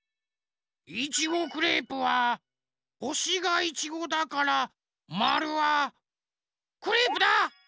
いちごクレープはほしがいちごだからまるはクレープだ！